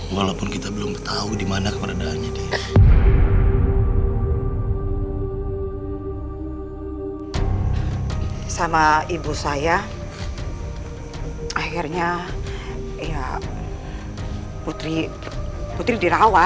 jadi putri bukan anak kandung tante sofia